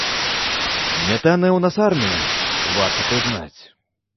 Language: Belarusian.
Нятанная ў нас армія, варта прызнаць.